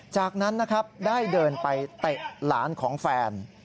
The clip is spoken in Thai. จากนั้นนะครับได้เดินไปเตะหลานของแฟน